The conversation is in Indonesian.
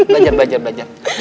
bajak bajak bajak